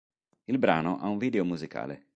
Il brano ha un video musicale.